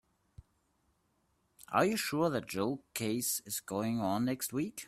Are you sure that Joe case is going on next week?